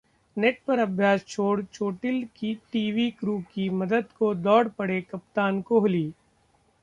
net पर अभ्यास छोड़ चोटिल टीवी क्रू की मदद को दौड़ पड़े कप्तान कोहली